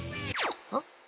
あっ？